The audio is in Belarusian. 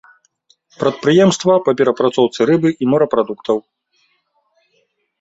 Прадпрыемствы па перапрацоўцы рыбы і морапрадуктаў.